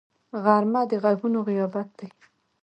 غرمه د غږونو غیابت دی